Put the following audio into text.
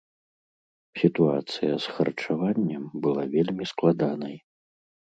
Сітуацыя з харчаваннем была вельмі складанай.